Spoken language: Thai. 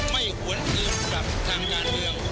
ไม่หวนเอียงกับทางยาดเดียว